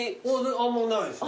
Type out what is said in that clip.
あんまないです。